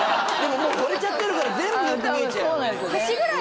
もうほれちゃってるから全部よく見えちゃうよね